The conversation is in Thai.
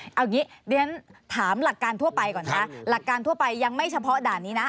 เอาอย่างนี้เรียนถามหลักการทั่วไปก่อนนะหลักการทั่วไปยังไม่เฉพาะด่านนี้นะ